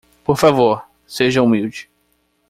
Por favor,? seja humilde.